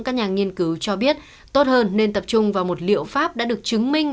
các nhà nghiên cứu cho biết tốt hơn nên tập trung vào một liệu pháp đã được chứng minh